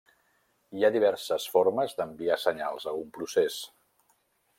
Hi ha diverses formes d'enviar senyals a un procés.